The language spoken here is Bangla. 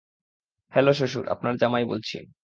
হ্যালো-- শ্বশুর, আপনার জামাই বলছি।